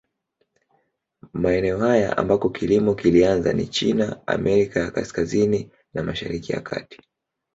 Maeneo haya ambako kilimo kilianza ni China, Amerika ya Kaskazini na Mashariki ya Kati.